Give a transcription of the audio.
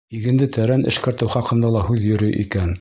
Игенде тәрән эшкәртеү хаҡында ла һүҙ йөрөй икән.